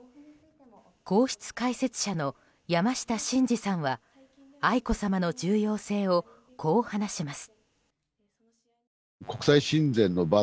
皇室解説者の山下晋司さんは愛子さまの重要性をこう話します。